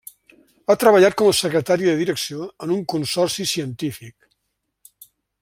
Ha treballat com a secretària de direcció en un consorci científic.